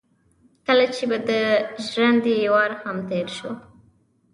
کله چې به د ژرندې وار هم تېر شو.